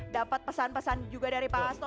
dapat pesan pesan juga dari pak hasto